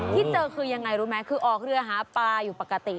ที่เจอคือยังไงรู้ไหมคือออกเรือหาปลาอยู่ปกติ